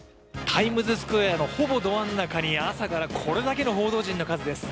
タイムズスクエアのほぼど真ん中に朝からこれだけの報道陣です。